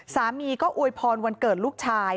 สามีก็อวยพรวันเกิดลูกชาย